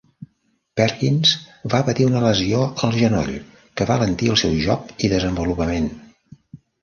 Perkins va patir una lesió al genoll que va alentir el seu joc i desenvolupament.